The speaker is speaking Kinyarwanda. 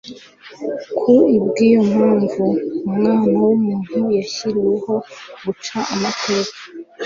ku bw’iyo mpamvu, Umwana w’umuntu yashyiriweho guca amateka